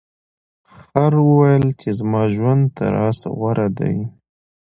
خر وویل چې زما ژوند تر اس غوره دی.